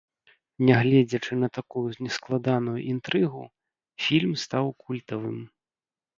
Нягледзячы на такую нескладаную інтрыгу, фільм стаў культавым.